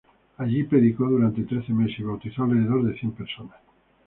Allí predicó durante trece meses y bautizó alrededor de cien personas.